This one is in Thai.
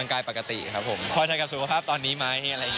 เล่นบาร์ทแล้วเรารู้สึกว่าเราฟิตน้อยลง